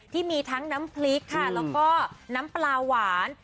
ที่มีทั้งน้ำพริกค่ะแล้วก็น้ำปลาหวาน